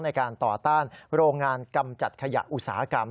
ในการต่อต้านโรงงานกำจัดขยะอุตสาหกรรม